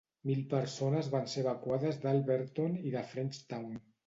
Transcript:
Mil persones van ser evacuades d'Alberton i de Frenchtown.